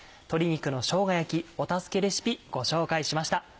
「鶏肉のしょうが焼き」お助けレシピご紹介しました。